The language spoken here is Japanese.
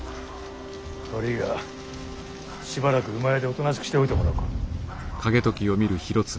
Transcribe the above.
悪いがしばらく馬屋でおとなしくしておいてもらおうか。